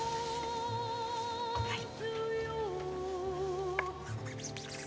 はい。